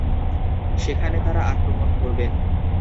সেখানে তারা আক্রমণ করবেন।